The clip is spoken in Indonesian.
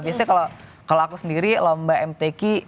biasanya kalau aku sendiri lomba mtk